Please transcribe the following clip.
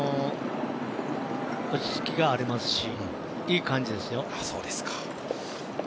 落ち着きがありますしいい感じですよ。